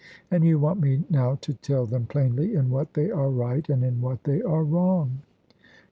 And you want me now to tell them plainly in what they are right and in what they are wrong.